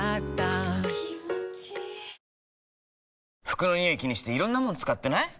服のニオイ気にしていろんなもの使ってない？